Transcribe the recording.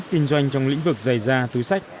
kinh doanh trong lĩnh vực dày da túi sách